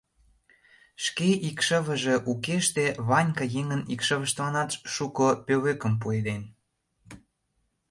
Шке икшывыже укеште Ванька еҥын икшывыштланат шуко пӧлекым пуэден.